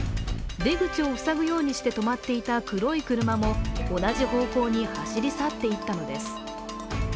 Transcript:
出口を塞ぐようにして止まっていた黒い車も同じ方向に走り去っていったのです。